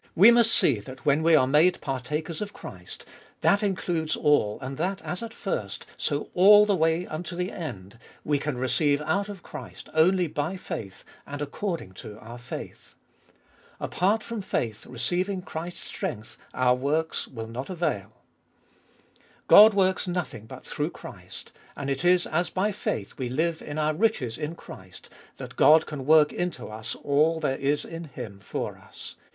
We must see that when we are made partakers of Christ, that includes all, and that as at first, so all the way unto the end, we can receive out of Christ only by faith and according to our faith. Apart from faith receiving Christ's strength, our works avail not. God works nothing but through Christ, and it is as by faith we live in our riches in Christ that God can work into us all there is in Him for us.